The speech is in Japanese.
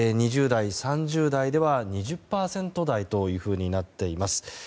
２０代、３０代では２０％台となっています。